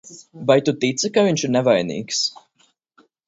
Vai tu tici, ka viņš ir nevainīgs?